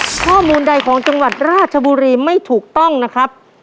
ข้อมูลใดของจังหวัดราชบุรีไม่ถูกต้องนะครับ